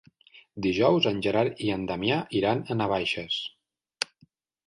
Dijous en Gerard i en Damià iran a Navaixes.